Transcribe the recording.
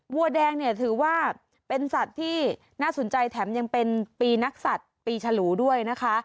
วัวแดงเนี่ยถือว่าเป็นสัตว์ที่น่าสนใจแถมยังเป็นปีนักศัตริย์ปีฉลูด้วยนะคะ